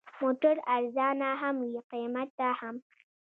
موټر ارزانه هم وي، قیمتي هم.